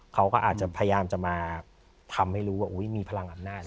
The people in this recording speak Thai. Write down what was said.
เขาก็อาจจะพยายามจะมาทำให้รู้ว่ามีพลังอำนาจ